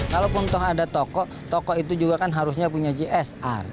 kalaupun toh ada toko toko itu juga kan harusnya punya gsr